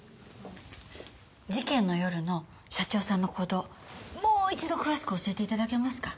事件の夜の社長さんの行動もう一度詳しく教えて頂けますか？